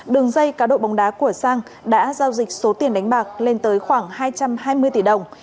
đường dây cá độ bóng đá của sang đã giao dịch số tiền đánh bạc lên tới khoảng hai trăm hai mươi tỷ đồng